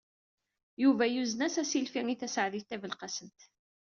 Yuba yuzen-as asilfi i Taseɛdit Tabelqasemt.